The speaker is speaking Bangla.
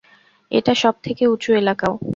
এটা সবথেকে উঁচু এলাকাও।